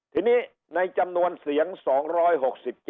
ทีนี้ในจำนวนเสียง๒๓๘ครับ